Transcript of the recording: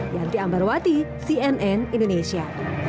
yanti ambarwati cnn indonesia